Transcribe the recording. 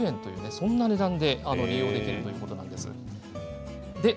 そんな値段で利用できるということなんです。